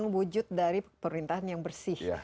wujud dari pemerintahan yang bersih